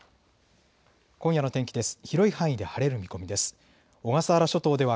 今夜の天気です。